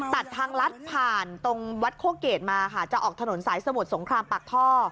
ตัดทางลัดผ่านตรงวัดโคเกตมาค่ะจะออกถนนสายสมุทรสงครามปากท่อ